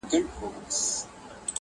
• چي وجود را سره زما او وزر ستا وي,